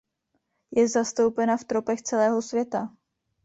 Je zastoupena v tropech celého světa.